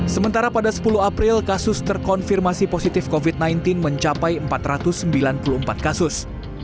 sementara pada sepuluh april kasus terkonfirmasi positif covid sembilan belas mencapai empat ratus sembilan puluh empat kasus